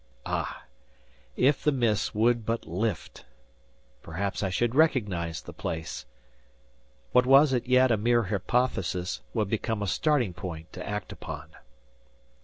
Ah, if the mists would but lift! Perhaps I should recognize the place. What was as yet a mere hypothesis, would become a starting point to act upon.